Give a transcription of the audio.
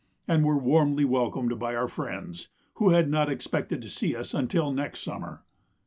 and were warmly welcomed by our friends, who had not expected to see us until next summer.